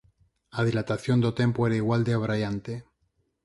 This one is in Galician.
A dilatación do tempo era igual de abraiante.